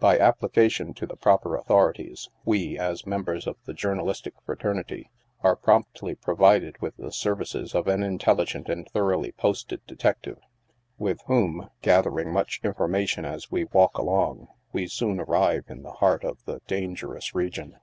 By application to the proper authorities, we, as members of the journalistic fraternity, are promptly provided with the ser vices of an intelligent and thoroughly posted detective, with whom gathering much information as we walk along, we soon arrive in the heart of the dangerous region.